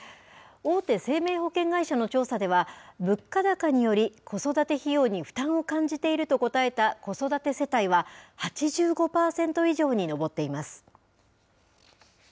大手生命保険会社の調査では、物価高により、子育て費用に負担を感じていると答えた子育て世帯は、８５％以上に上っています。